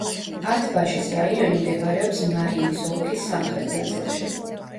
ათ-ბაშის რაიონი მდებარეობს ნარინის ოლქის სამხრეთ ნაწილში.